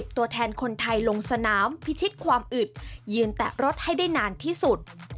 ตัวแทนคนไทยลงสนามพิชิตความอึดยืนแตะรถให้ได้นานที่สุด